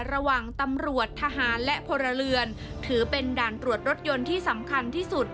ระหว่างตำรวจทหารและพลเรือนถือเป็นด่านตรวจรถยนต์ที่สำคัญที่สุด